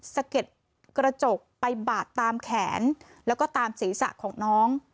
สะเก็ดกระจกไปบาดตามแขนแล้วก็ตามศีรษะของน้อง